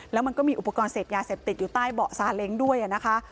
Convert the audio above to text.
แล้วมันก็มีอุปกรณ์เสพยาเสพติดอยู่ใต้เบาะซาเล้งด้วยนะคะ